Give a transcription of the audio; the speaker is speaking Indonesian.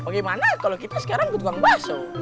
bagaimana kalau kita sekarang ke tuang baso